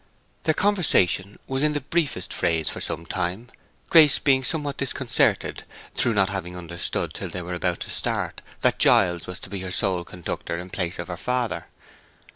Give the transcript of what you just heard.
Their conversation was in briefest phrase for some time, Grace being somewhat disconcerted, through not having understood till they were about to start that Giles was to be her sole conductor in place of her father.